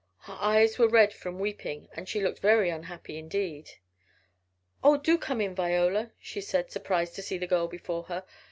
Her eyes were red from weeping, and she looked very unhappy indeed. "Oh, do come in Viola," she said, surprised to see the girl before her.